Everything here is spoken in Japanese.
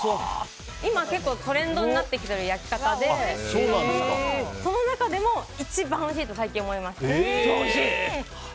今、結構トレンドになってきている焼き方でその中でも一番おいしいと最近思います。